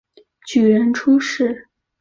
举人出身。